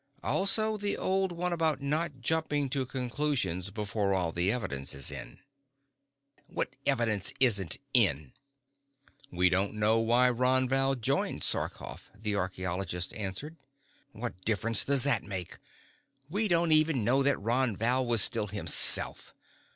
"Also the old one about not jumping to conclusions before all the evidence is in." "What evidence isn't in?" "We don't know why Ron Val joined Sarkoff," the archeologist answered. "What difference does that make? We don't even know that Ron Val was still himself.